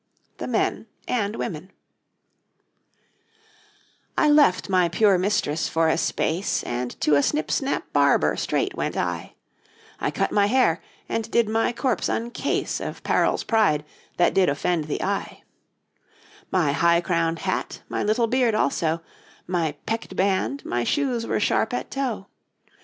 THE MEN AND WOMEN 'I left my pure mistress for a space, And to a snip snap barber straight went I; I cut my hair, and did my corps uncase Of 'parel's pride that did offend the eye; My high crowned hat, my little beard also, My pecked band, my shoes were sharp at toe.